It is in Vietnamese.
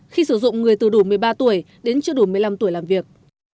khi sử dụng người từ đủ một mươi ba tuổi đến chưa đủ một mươi năm tuổi làm việc